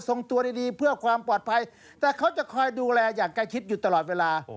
ตัวดีดีเพื่อความปลอดภัยแต่เขาจะคอยดูแลอย่างใกล้ชิดอยู่ตลอดเวลา